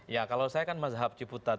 ya kalau saya kan mazhab ciputat